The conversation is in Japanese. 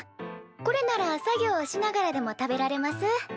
これなら作業しながらでも食べられます。